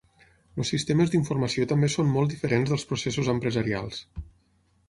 Els sistemes d'informació també són molt diferents dels processos empresarials.